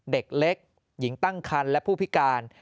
เด็กเล็กหญิงตั้งคันและผู้พิการ